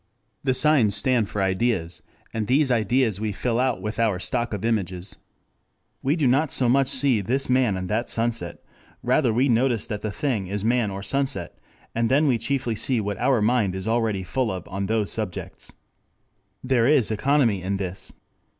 The signs stand for ideas, and these ideas we fill out with our stock of images. We do not so much see this man and that sunset; rather we notice that the thing is man or sunset, and then see chiefly what our mind is already full of on those subjects. 3 There is economy in this.